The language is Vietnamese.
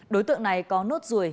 đối tượng này có nốt ruồi